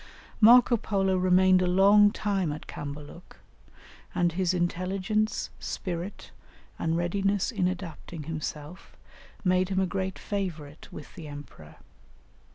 ] Marco Polo remained a long time at Cambaluc, and his intelligence, spirit, and readiness in adapting himself, made him a great favourite with the emperor.